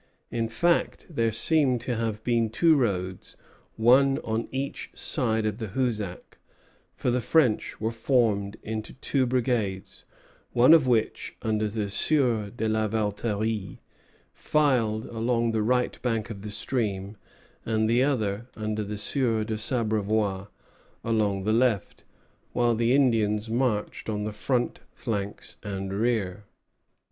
In fact, there seem to have been two roads, one on each side of the Hoosac; for the French were formed into two brigades, one of which, under the Sieur de la Valterie, filed along the right bank of the stream, and the other, under the Sieur de Sabrevois, along the left; while the Indians marched on the front, flanks, and rear.